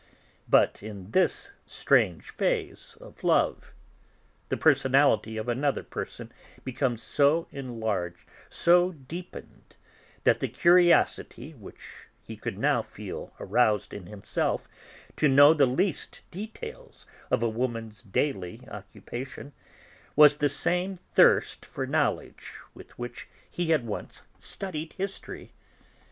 But in this strange phase of love the personality of another person becomes so enlarged, so deepened, that the curiosity which he could now feel aroused in himself, to know the least details of a woman's daily occupation, was the same thirst for knowledge with which he had once studied history.